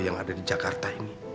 yang ada di jakarta ini